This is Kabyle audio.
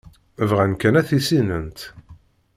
Bɣant kan ad t-issinent.